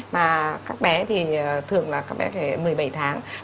mà các bé thì thường là các bé phải một mươi bảy tháng